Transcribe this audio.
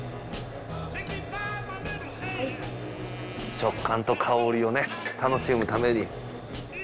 食感と香りをね楽しむために。